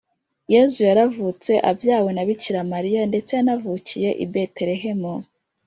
Yezu yaravutse abyawe na bikiramariya ndetse yanavukiye ibeterehemu